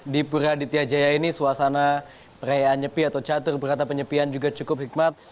di pura aditya jaya ini suasana perayaan nyepi atau catur berata penyepian juga cukup hikmat